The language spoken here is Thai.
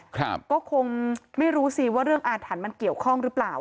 ครับก็คงไม่รู้สิว่าเรื่องอาถรรพ์มันเกี่ยวข้องหรือเปล่า